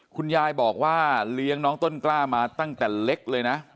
คุณยายบอกว่าเลี้ยงน้องต้นกล้ามาตั้งแต่เล็กเลยนะ